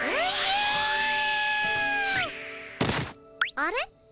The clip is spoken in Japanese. あれ？